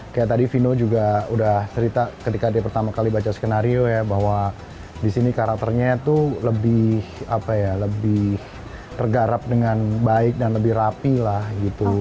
kayak tadi vino juga udah cerita ketika dia pertama kali baca skenario ya bahwa disini karakternya tuh lebih tergarap dengan baik dan lebih rapi lah gitu